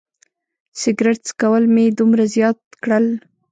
سګرټ څکول مې دومره زیات کړل.